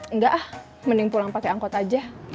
enggak ah mending pulang pakai angkot aja